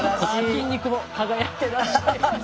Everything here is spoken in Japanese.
筋肉も輝いてらっしゃいます。